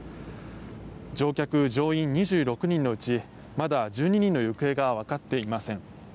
乗客・乗員２６人のうちまだ１２人の行方がわかっていません。